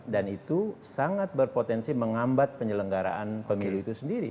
dan itu sangat berpotensi mengambat penyelenggaraan pemilu itu sendiri